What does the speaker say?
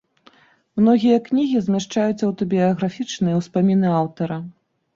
Многія кнігі змяшчаюць аўтабіяграфічныя ўспаміны аўтара.